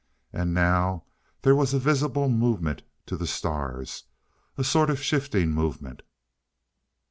And now there was a visible movement to the stars! A sort of shifting movement....